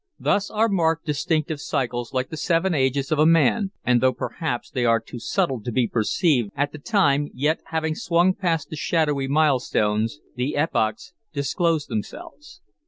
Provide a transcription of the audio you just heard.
Thus are marked distinctive cycles like the seven ages of a man, and though, perhaps, they are too subtle to be perceived at the time, yet, having swung past the shadowy milestones, the epochs disclose themselves.